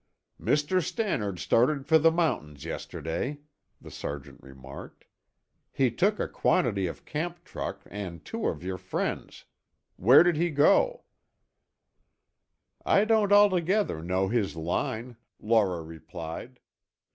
"Mr. Stannard started for the mountains yesterday," the sergeant remarked. "He took a quantity of camp truck and two of your friends. Where did he go?" "I don't altogether know his line," Laura replied.